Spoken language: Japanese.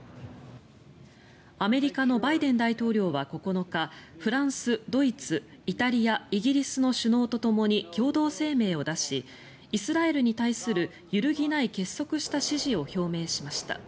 アメリカのバイデン大統領は９日フランス、ドイツ、イタリアイギリスの首脳とともに共同声明を出しイスラエルに対する揺るぎない結束した支持を表明しました。